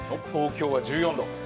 東京１４度。